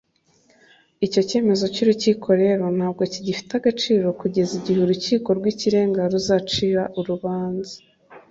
Icyo cyemezo cy’Urukiko rukuru rero ntabwo kigifite agaciro kugeza igihe Urukiko rw’ikirenga ruzacira urubanza